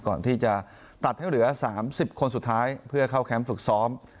ก่อนที่จะตัดให้เหลือ๓๐คนสุดท้ายเพื่อเข้าแคมป์ฝึกซ้อม